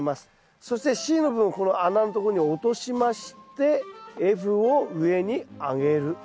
そしてＣの部分をこの穴のとこに落としましてＦを上に上げる。